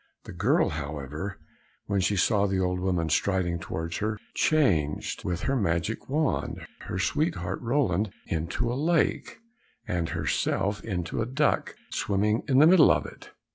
The girl, however, when she saw the old woman striding towards her, changed, with her magic wand, her sweetheart Roland into a lake, and herself into a duck swimming in the middle of it.